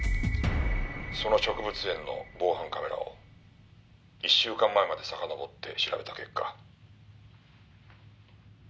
「その植物園の防犯カメラを１週間前までさかのぼって調べた結果」